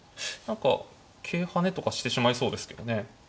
何か桂跳ねとかしてしまいそうですけどね。